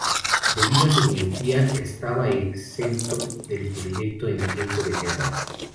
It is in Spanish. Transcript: Debido a su miopía, estaba exento del proyecto en tiempo de guerra.